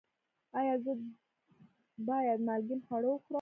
ایا زه باید مالګین خواړه وخورم؟